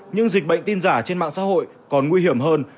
nhưng dịch bệnh tin giả trên mạng xã hội còn nguy hiểm hơn